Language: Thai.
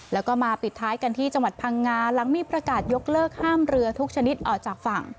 แล้วก็มาปิดท้ายกันที่จังหวัดพังงาหลังมีประกาศยกเลิกห้ามเรือทุกชนิดออกจากฝั่ง